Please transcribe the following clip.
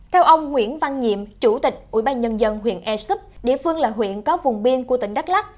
theo ông nguyễn văn nhiệm chủ tịch ủy ban nhân dân huyện esup địa phương là huyện có vùng biên của tỉnh đắk lắc